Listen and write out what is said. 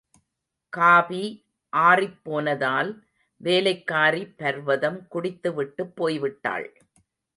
Coffee ஆறிப் போனதால், வேலைக்காரி பர்வதம் குடித்து விட்டுப் போய்விட்டாள்.